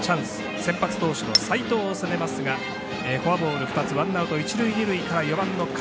先発投手の齋藤を攻めますがフォアボール２つワンアウト、一塁、二塁から４番の上。